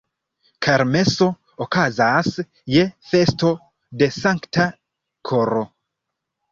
Kermeso okazas je festo de Sankta Koro.